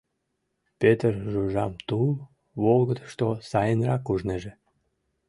Петер Жужам тул волгыдышто сайынрак ужнеже.